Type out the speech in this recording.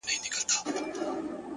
o سیاه پوسي ده. افغانستان دی.